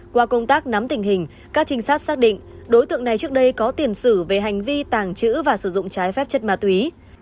qua công tác nắm tình hình các trinh sát xác định đối tượng này trước đây có tiền sử về hành vi tàng trữ và sử dụng trái phép chất ma túy